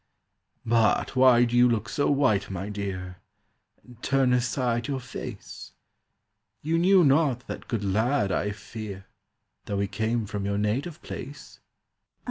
"But why do you look so white, my dear, And turn aside your face? You knew not that good lad, I fear, Though he came from your native place?"